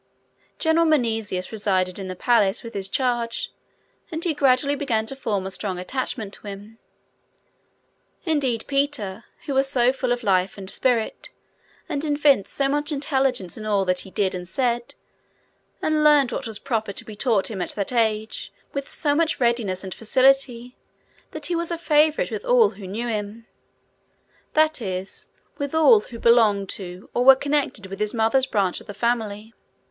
General Menesius resided in the palace with his charge, and he gradually began to form a strong attachment to him. Indeed, Peter was so full of life and spirit, and evinced so much intelligence in all that he did and said, and learned what was proper to be taught him at that age with so much readiness and facility, that he was a favorite with all who knew him; that is, with all who belonged to or were connected with his mother's branch of the family.